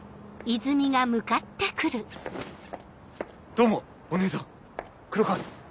どうもお姉さん黒川っす。